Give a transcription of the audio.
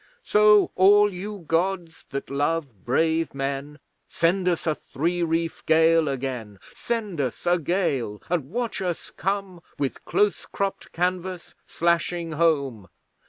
So all you Gods that love brave men, Send us a three reef gale again! Send us a gale, and watch us come, With close cropped canvas slashing home!